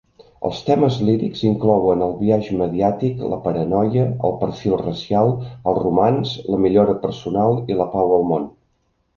Els temes lírics inclouen el biaix mediàtic, la paranoia, el perfil racial, el romanç, la millora personal i la pau al món.